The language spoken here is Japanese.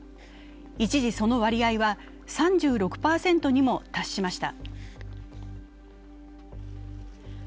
一時その割合は３６％にも達しました。